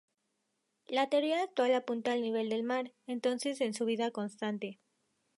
La teoría actual apunta al nivel del mar, entonces en subida constante.